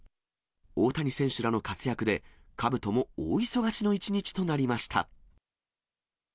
大谷選手らの活躍で、かぶとも大忙しの一日となりました。